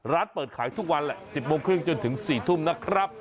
ร้านเปิดขายทุกวันแหละ๑๐โมงครึ่งจนถึง๔ทุ่มนะครับ